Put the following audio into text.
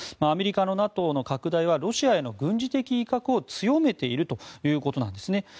アメリカのＮＡＴＯの拡大はロシアへの軍事的威嚇を強めているということなんですね。